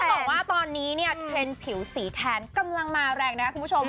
บอกว่าตอนนี้เนี่ยเทรนด์ผิวสีแทนกำลังมาแรงนะครับคุณผู้ชม